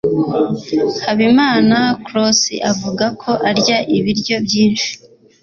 Habimana close avuga ko arya ibiryo byinshi.